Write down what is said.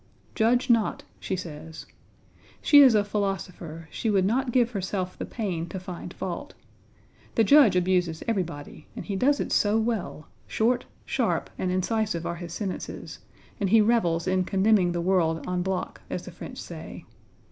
"Judge not," she says. She is a philosopher; she would not give herself the pain to find fault. The Judge abuses everybody, and he does it so well short, sharp, and incisive are his sentences, and he revels in condemning the world en bloc, as the French say.